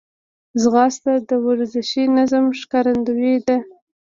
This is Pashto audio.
ځغاسته د ورزشي نظم ښکارندوی ده